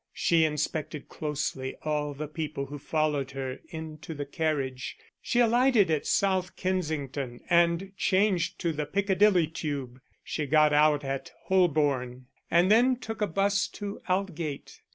She inspected closely all the people who followed her into the carriage. She alighted at South Kensington and changed to the Piccadilly tube. She got out at Holborn and then took a bus to Aldgate.